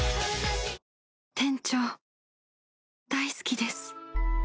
店長大好きです。